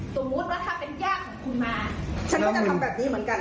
สมมุติว่าถ้าเป็นญาติของคุณมาฉันก็จะทำแบบนี้เหมือนกัน